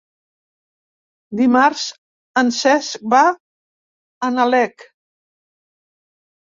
Dimarts en Cesc va a Nalec.